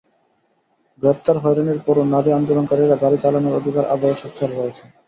গ্রেপ্তার হয়রানির পরও নারী আন্দোলনকারীরা গাড়ি চালানোর অধিকার আদায়ে সোচ্চার রয়েছেন।